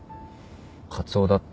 カツオだって。